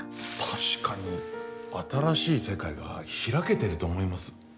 確かに新しい世界が開けていると思います。